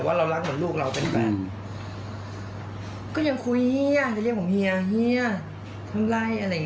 ผมโทรหาแม่ได้ใช่ไหมครับ